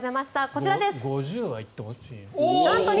こちらです。